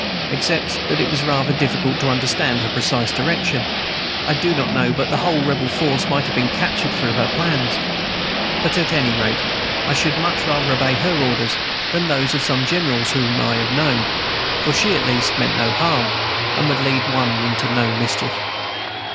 Except that it was rather difficult to understand her precise direction, I do not know but the whole Rebel force might have been captured through her plans. And at any rate, I should much rather obey her orders than those of some generals whom I have known; for she at least meant no harm, and would lead one into no mischief.